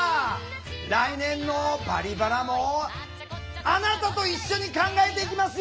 来年の「バリバラ」もあなたと一緒に考えていきますよ。